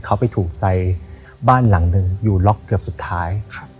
เขาไปถูกใจบ้านหลังหนึ่งอยู่ล็อกเกือบสุดท้าย